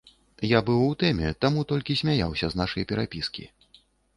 Я быў у тэме, таму толькі смяяўся з нашай перапіскі.